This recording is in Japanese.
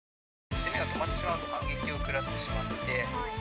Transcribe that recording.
「攻めが止まってしまうと反撃を食らってしまって」。